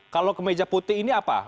kalau kemeja putih ini apa